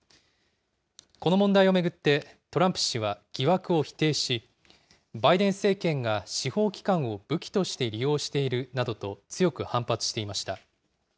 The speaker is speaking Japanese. この問題を巡って、トランプ氏は疑惑を否定し、バイデン政権が司法機関を武器として利用しているなどと強く反発していました。